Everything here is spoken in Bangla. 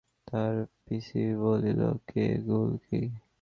তাহার পিসি বলিল, কে, গুলকী?